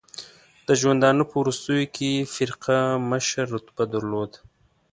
د ژوندانه په وروستیو کې یې فرقه مشر رتبه درلوده.